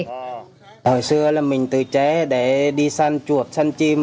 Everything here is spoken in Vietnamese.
hồi xưa là mình tự chế để đi săn chuộc săn chim